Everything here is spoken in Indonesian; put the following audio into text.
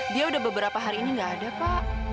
dia udah beberapa hari ini gak ada pak